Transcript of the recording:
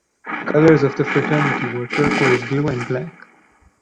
Colors of the Fraternity were Turquoise Blue and Black.